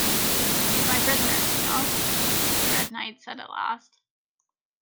‘She’s my prisoner, you know!’ the Red Knight said at last.